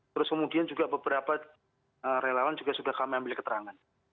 terus kemudian juga beberapa relawan juga sudah kami ambil keterangan